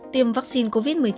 tiêm vaccine covid một mươi chín